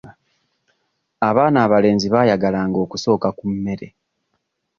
Abaana abalenzi baayagalanga okusooka ku mmere.